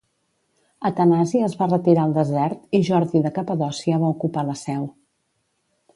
Atanasi es va retirar al desert i Jordi de Capadòcia va ocupar la seu.